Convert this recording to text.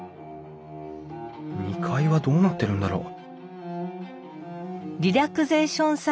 ２階はどうなってるんだろう？